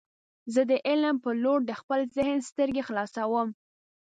زه د علم په لور د خپل ذهن سترګې خلاصوم.